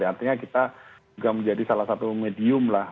artinya kita juga menjadi salah satu medium lah